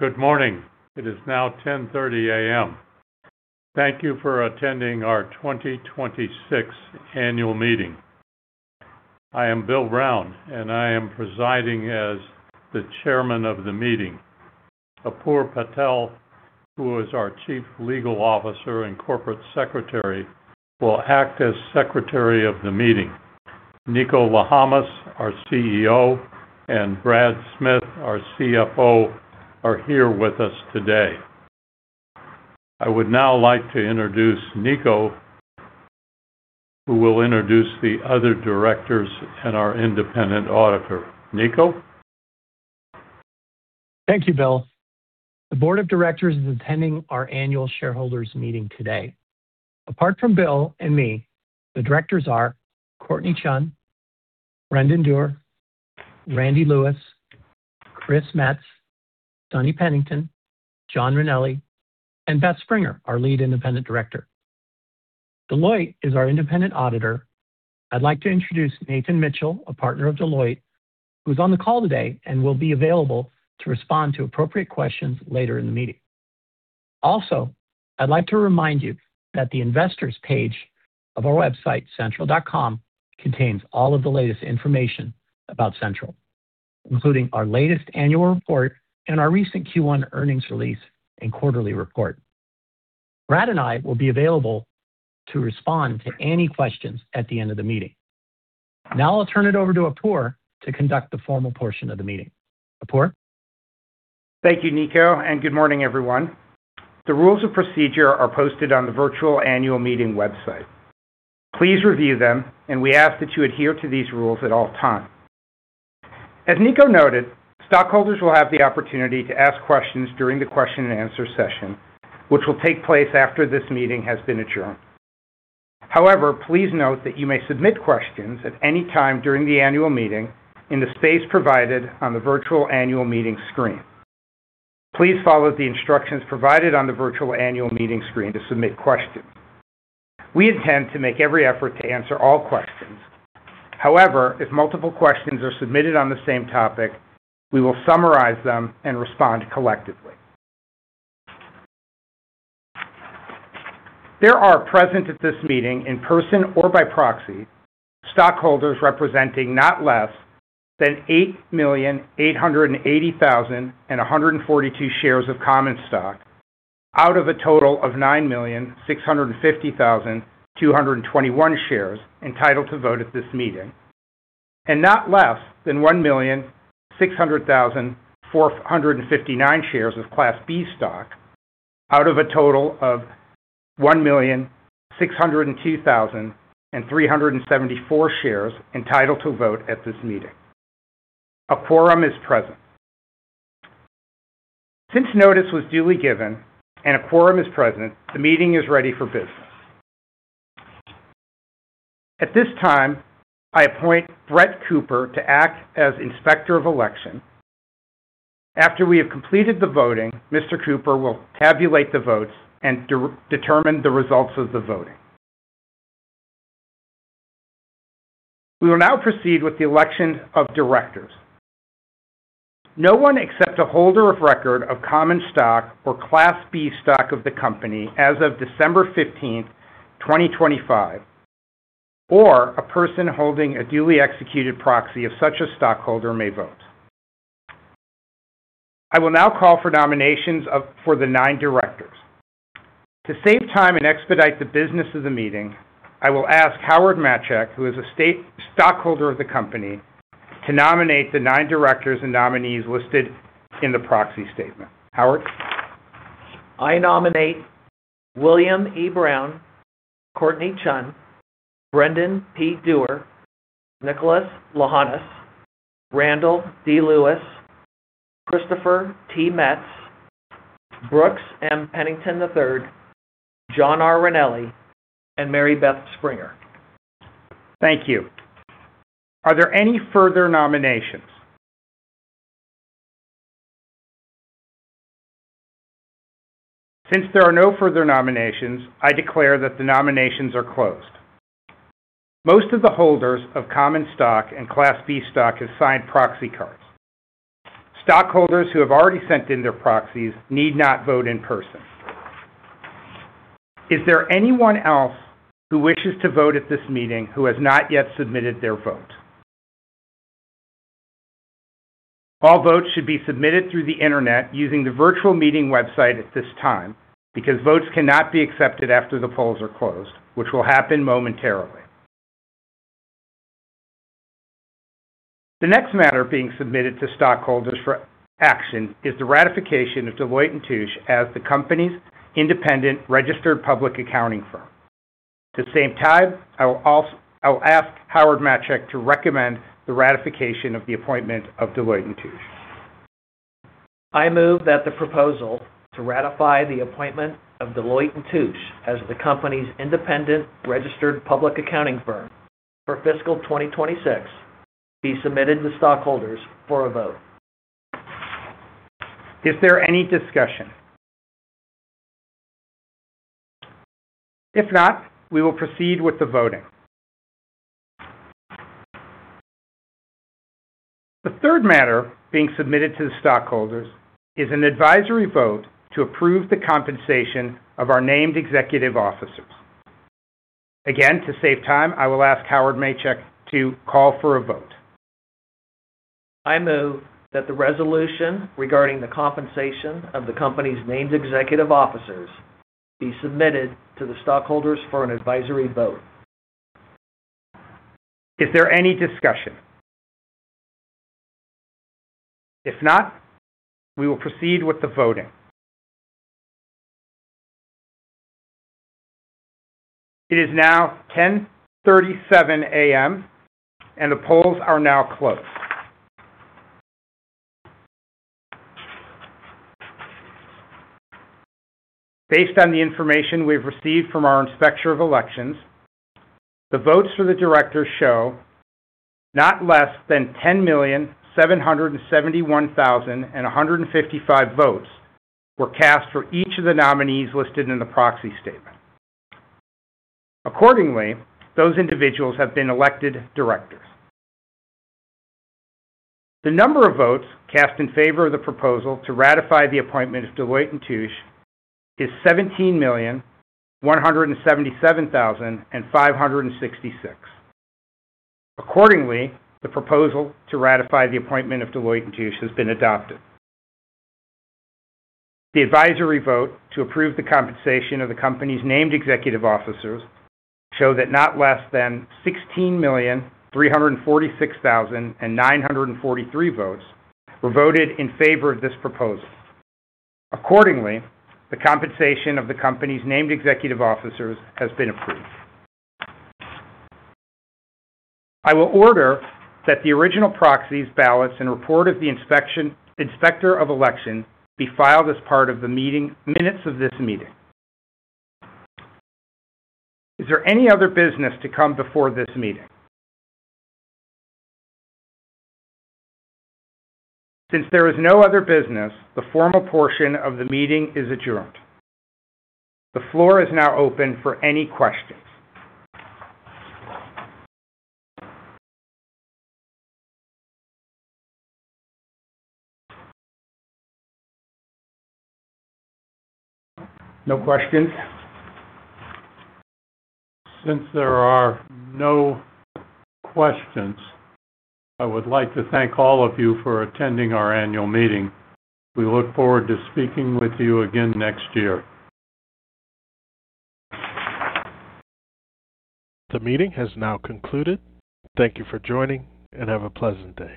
Good morning. It is now 10:30 A.M. Thank you for attending our 2026 annual meeting. I am Bill Brown, and I am presiding as the chairman of the meeting. Apur Patel, who is our Chief Legal Officer and Corporate Secretary, will act as Secretary of the meeting. Niko Lahanas, our CEO, and Brad Smith, our CFO, are here with us today. I would now like to introduce Niko, who will introduce the other directors and our independent auditor. Niko? Thank you, Bill. The Board of Directors is attending our annual shareholders' meeting today. Apart from Bill and me, the directors are Courtnee Chun, Brendan Dougher, Randal Lewis, Chris Metz, Brooks Pennington, John Ranelli, and Mary Beth Springer, our lead independent director. Deloitte is our independent auditor. I'd like to introduce Nathan Mitchell, a partner of Deloitte, who is on the call today and will be available to respond to appropriate questions later in the meeting. Also, I'd like to remind you that the investors page of our website, central.com, contains all of the latest information about Central, including our latest annual report and our recent Q1 earnings release and quarterly report. Brad and I will be available to respond to any questions at the end of the meeting. Now I'll turn it over to Apur to conduct the formal portion of the meeting. Apur? Thank you, Niko, and good morning, everyone. The rules of procedure are posted on the virtual annual meeting website. Please review them, and we ask that you adhere to these rules at all times. As Niko noted, stockholders will have the opportunity to ask questions during the question-and-answer session, which will take place after this meeting has been adjourned. However, please note that you may submit questions at any time during the annual meeting in the space provided on the virtual annual meeting screen. Please follow the instructions provided on the virtual annual meeting screen to submit questions. We intend to make every effort to answer all questions. However, if multiple questions are submitted on the same topic, we will summarize them and respond collectively. There are present at this meeting, in person or by proxy, stockholders representing not less than 8,880,142 shares of common stock, out of a total of 9,650,221 shares entitled to vote at this meeting, and not less than 1,600,459 shares of Class B stock, out of a total of 1,602,374 shares entitled to vote at this meeting. A quorum is present. Since notice was duly given and a quorum is present, the meeting is ready for business. At this time, I appoint Brett Cooper to act as Inspector of Election. After we have completed the voting, Mr. Cooper will tabulate the votes and determine the results of the voting. We will now proceed with the election of directors. No one except a holder of record of common stock or Class B stock of the company as of December 15, 2025, or a person holding a duly executed proxy of such a stockholder may vote. I will now call for nominations for the nine directors. To save time and expedite the business of the meeting, I will ask Howard Machek, who is a stockholder of the company, to nominate the nine directors and nominees listed in the proxy statement. Howard? I nominate William E. Brown, Courtnee Chun, Brendan P. Dougher, Nicholas Lahanas, Randal D. Lewis, Christopher T. Metz, Brooks M. Pennington III, John R. Ranelli, and Mary Beth Springer. Thank you. Are there any further nominations? Since there are no further nominations, I declare that the nominations are closed. Most of the holders of common stock and Class B stock have signed proxy cards. Stockholders who have already sent in their proxies need not vote in person. Is there anyone else who wishes to vote at this meeting who has not yet submitted their vote? All votes should be submitted through the internet using the virtual meeting website at this time because votes cannot be accepted after the polls are closed, which will happen momentarily. The next matter being submitted to stockholders for action is the ratification of Deloitte & Touche as the company's independent registered public accounting firm. At the same time, I will ask Howard Machek to recommend the ratification of the appointment of Deloitte & Touche. I move that the proposal to ratify the appointment of Deloitte & Touche as the company's independent registered public accounting firm for fiscal 2026 be submitted to stockholders for a vote. Is there any discussion? If not, we will proceed with the voting. The third matter being submitted to the stockholders is an advisory vote to approve the compensation of our named executive officers. Again, to save time, I will ask Howard Machek to call for a vote. I move that the resolution regarding the compensation of the company's named executive officers be submitted to the stockholders for an advisory vote. Is there any discussion? If not, we will proceed with the voting. It is now 10:37 A.M., and the polls are now closed. Based on the information we've received from our Inspector of Elections, the votes for the directors show not less than 10,771,155 votes were cast for each of the nominees listed in the proxy statement. Accordingly, those individuals have been elected directors. The number of votes cast in favor of the proposal to ratify the appointment of Deloitte & Touche is 17,177,566. Accordingly, the proposal to ratify the appointment of Deloitte & Touche has been adopted. The advisory vote to approve the compensation of the company's named executive officers show that not less than 16,346,943 votes were voted in favor of this proposal. Accordingly, the compensation of the company's named executive officers has been approved. I will order that the original proxies' ballots and report of the Inspector of Election be filed as part of the minutes of this meeting. Is there any other business to come before this meeting? Since there is no other business, the formal portion of the meeting is adjourned. The floor is now open for any questions. No questions? Since there are no questions, I would like to thank all of you for attending our annual meeting. We look forward to speaking with you again next year. The meeting has now concluded. Thank you for joining, and have a pleasant day.